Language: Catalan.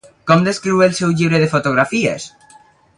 Com descriu el seu llibre de fotografies?